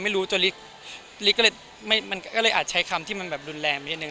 ไม่รู้จนลิกก็เลยอาจใช้คำที่มันแบบรุนแรมนี้หนึ่ง